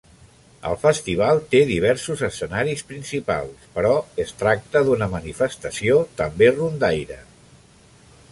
El festival té diversos escenaris principals però es tracta d'una manifestació també rondaire.